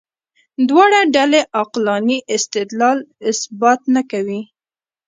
دواړه ډلې عقلاني استدلال اثبات نه کوي.